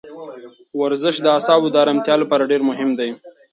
ورزش د اعصابو د ارامتیا لپاره ډېر مهم دی.